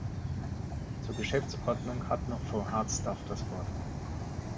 Zur Geschäftsordnung hat noch Frau Hardstaff das Wort.